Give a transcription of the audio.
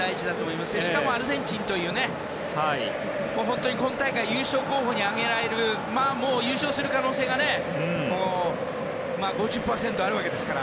しかもアルゼンチンという本当に今大会優勝候補に挙げられるもう優勝する可能性が５０％あるわけですから。